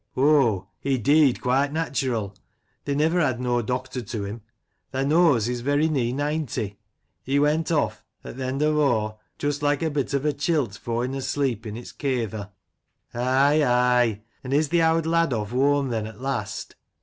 " Oh, he dee'd quite natural ; they never had no doctor to him. Thae knows, he's very nee ninety. He went off, at th' end ov o', just like a bit ov a chylt foin' asleep in it kayther." "Aye, aye; an' is th' owd lad off whoam, then, at last?"